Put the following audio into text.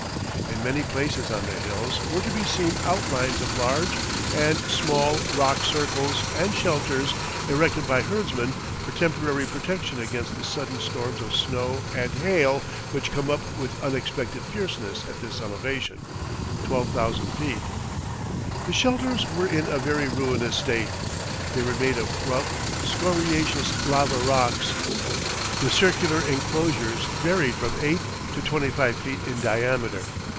In many places on the hills were to be seen outlines of large and small rock circles and shelters erected by herdsmen for temporary protection against the sudden storms of snow and hail which come up with unexpected fierceness at this elevation (12,000 feet). The shelters were in a very ruinous state. They were made of rough, scoriaceous lava rocks. The circular enclosures varied from 8 to 25 feet in diameter.